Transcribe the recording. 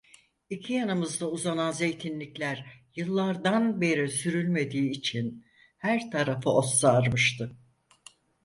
İki yanımızda uzanan zeytinlikler yıllardan beri sürülmediği için her tarafı ot sarmıştı.